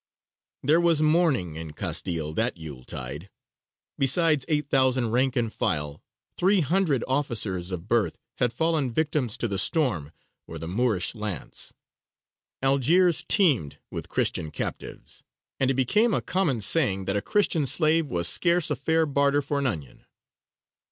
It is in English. There was mourning in Castile that Yuletide. Besides eight thousand rank and file, three hundred officers of birth had fallen victims to the storm or the Moorish lance. Algiers teemed with Christian captives, and it became a common saying that a Christian slave was scarce a fair barter for an onion.